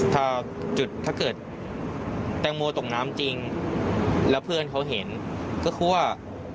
ถ้าจุดถ้าเกิดแตงโมตกน้ำจริงแล้วเพื่อนเขาเห็นก็คือว่า